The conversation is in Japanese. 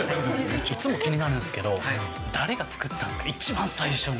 いつも気になるんですけど、誰が作ったんですか、一番最初に。